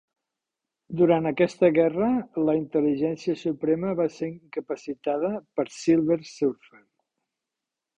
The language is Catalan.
Durant aquesta guerra, la Intel·ligència suprema va ser incapacitada per Silver Surfer.